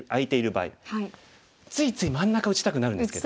ついつい真ん中打ちたくなるんですけども。